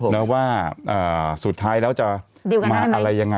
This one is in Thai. แล้วว่าสุดท้ายแล้วจะมาอะไรอย่างไร